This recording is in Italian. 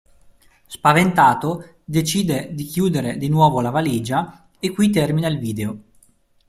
Spaventato, decide di chiudere di nuovo la valigia, e qui termina il video.